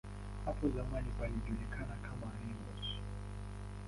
Hapo zamani palijulikana kama "Nemours".